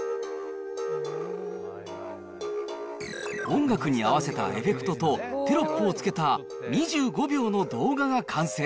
音楽に合わせたエフェクトとテロップを付けた、２５秒の動画が完成。